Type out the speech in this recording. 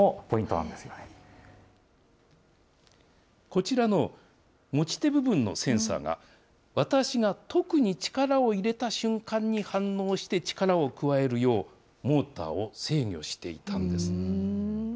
こちらの持ち手部分のセンサーが、私が特に力を入れた瞬間に反応して力を加えるよう、モーターを制御していたんです。